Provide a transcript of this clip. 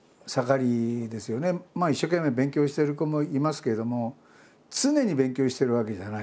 一生懸命勉強してる子もいますけれども常に勉強してるわけじゃない。